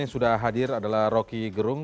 yang sudah hadir adalah rocky gerung